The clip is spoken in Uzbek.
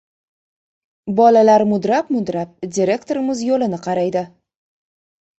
Bolalar mudrab-mudrab direktorimiz yo‘lini qaraydi.